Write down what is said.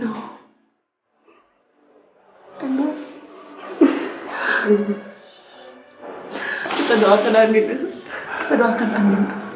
kita doakan andin